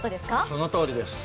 そのとおりです。